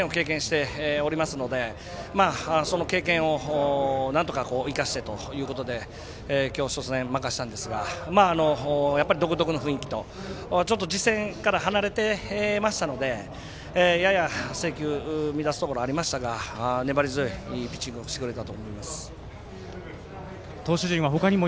昨年も甲子園を経験しておりますのでその経験をなんとか生かしてということで今日、初戦を任せたんですがやっぱり独特の雰囲気と実戦から離れていたのでやや制球を乱すところもありましたが粘り強いピッチングをしてくれたと思います。